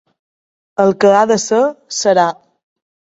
El que ha de ser, serà.